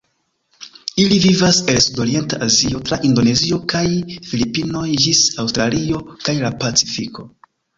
Ili vivas el Sudorienta Azio tra Indonezio kaj Filipinoj ĝis Aŭstralio kaj la Pacifiko.